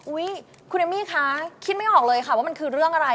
คุณเอมมี่คะคิดไม่ออกเลยค่ะว่ามันคือเรื่องอะไร